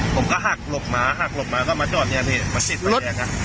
ผมก็หักหลบมาหักหลบมาก็มาจอดเนี่ยพี่มาสิบวันเนี่ย